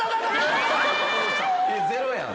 ゼロやん。